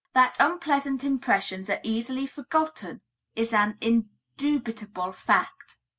That unpleasant impressions are easily forgotten is an indubitable fact.